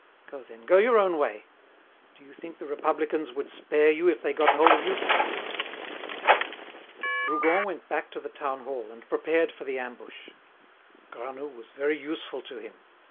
Go then, go your own way. Do you think the Republicans would spare you if they got hold of you?" Rougon went back to the town hall, and prepared for the ambush. Granoux was very useful to him.